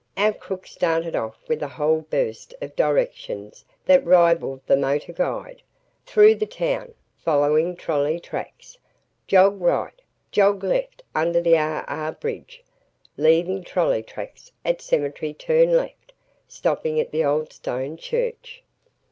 Our crook started off with a whole burst of directions that rivalled the motor guide "through the town, following trolley tracks, jog right, jog left under the R. R. bridge, leaving trolley tracks; at cemetery turn left, stopping at the old stone church."